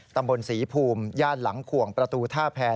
ตำบลศรีภูมิย่านหลังขวงประตูท่าแพร